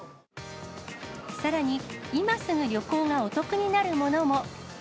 さらに、今すぐ旅行がお得になるものも。